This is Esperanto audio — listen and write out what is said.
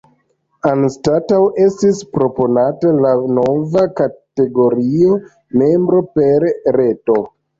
Anstataŭe estis proponata la nova kategorio “Membro per Reto”.